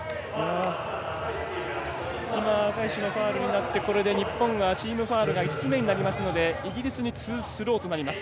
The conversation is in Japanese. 赤石のファウルになって日本がチームファウルが５つ目になりますのでイギリスにツースローとなります。